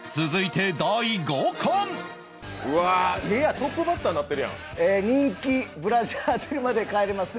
トップバッターになってるやん。